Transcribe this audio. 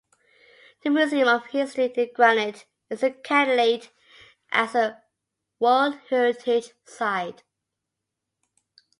The Museum of History in Granite is a candidate as a World Heritage Site.